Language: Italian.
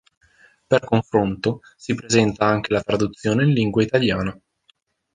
Per confronto si presenta anche la traduzione in lingua italiana.